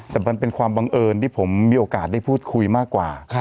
แต่มันเป็นความบังเอิญที่ผมมีโอกาสได้พูดคุยมากกว่า